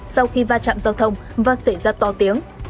sau khi va chạm giao thông và xảy ra to tiếng